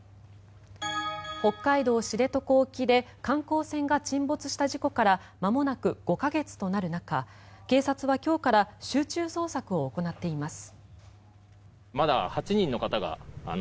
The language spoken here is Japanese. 北海道・知床沖で観光船が沈没した事故からまもなく５か月となる中警察は今日から集中捜索を行っています。